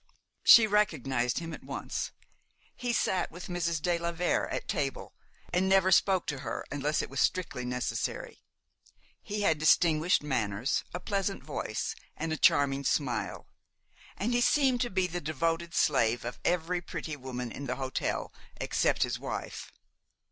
She recognized him at once. He sat with Mrs. de la Vere at table, and never spoke to her unless it was strictly necessary. He had distinguished manners, a pleasant voice, and a charming smile, and he seemed to be the devoted slave of every pretty woman in the hotel except his wife.